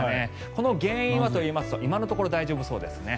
この原因はといいますと今のところ大丈夫そうですね。